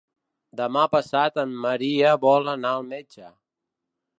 Demà passat en Maria vol anar al metge.